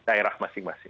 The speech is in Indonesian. di daerah masing masing